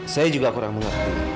saya juga kurang mengerti